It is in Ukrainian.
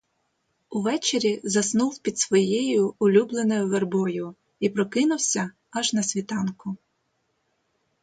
Увечері заснув під своєю улюбленою вербою і прокинувся аж на світанку.